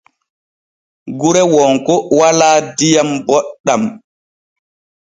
Gure Wonko walaa diyam booɗam.